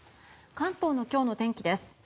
関東の今日の天気です。